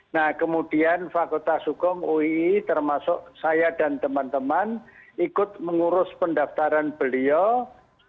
nah kemudian fakultas hukum uii termasuk saya dan teman teman ikut mengurus pendaftaran beliau